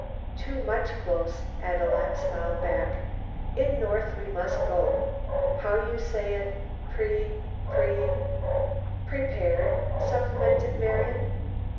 "Too much close," Ad loo at smiled back. "In north we must go how you say it pre pre " "Prepared," supplemented Marian.